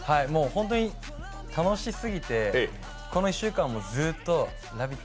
本当に楽しすぎてこの１週間ずっとラヴィット！